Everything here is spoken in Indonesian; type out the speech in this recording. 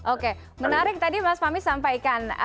oke menarik tadi mas fahmi sampaikan